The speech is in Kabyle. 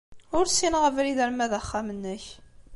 Ur ssineɣ abrid arma d axxam-nnek.